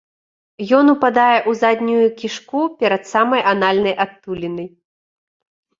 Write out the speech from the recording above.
Ён упадае ў заднюю кішку перад самай анальнай адтулінай.